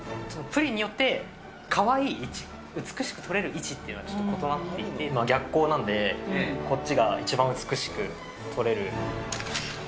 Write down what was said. プリンによってかわいい位置、美しく撮れる位置っていうのがちょっと異なっていて、逆光なんでこっちが一番美しく撮れる。